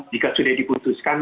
jika sudah diputuskan